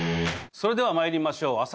それでは参りましょう。